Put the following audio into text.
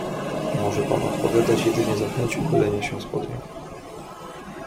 "Może pan odpowiadać jedynie za chęć uchylenia się z pod niego."